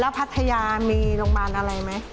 แล้วพัทยามีโรงบาลอะไรไหม